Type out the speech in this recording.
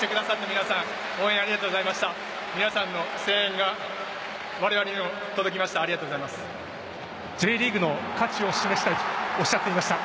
皆さんの声援がわれわれにも届きました。